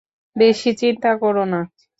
বেশি চিন্তা করো না।